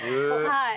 はい。